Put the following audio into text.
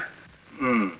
うん。